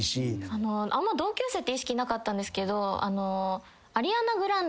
あんま同級生って意識なかったんですけど。